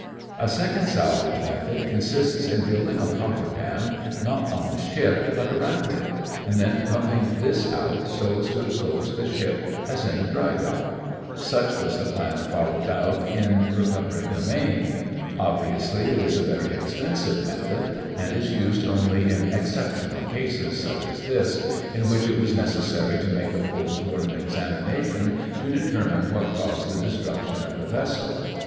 A second salvage method consists in building a coffer dam not on the ship but around it, and then pumping this out so as to expose the ship as in a dry dock. Such was the plan followed out in recovering the Maine. Obviously, it is a very expensive method and is used only in exceptional cases, such as this, in which it was necessary to make a post mortem examination to determine what caused the destruction of the vessel.